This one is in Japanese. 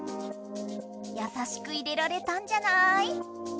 やさしく入れられたんじゃない？